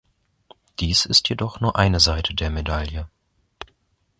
Dies ist jedoch nur eine Seite der Medaille.